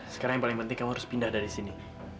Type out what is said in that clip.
sekarang yang paling penting kamu harus pindah dari sini